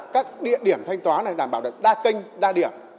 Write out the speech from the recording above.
các địa điểm thanh toán này đảm bảo được đa kênh đa điểm